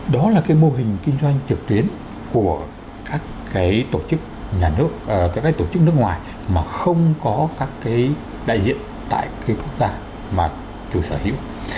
đó là cái mô hình kinh doanh trực tuyến của các tổ chức nhà nước các tổ chức nước ngoài mà không có các cái đại diện tại cái quốc gia mà chủ sở hữu